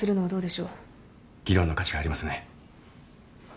議論の価値がありますね。